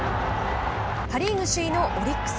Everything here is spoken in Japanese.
パ・リーグ首位のオリックス。